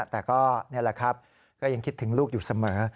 แต่ก็นี่แหละครับก็ยังคิดถึงลูกอยู่เสมอ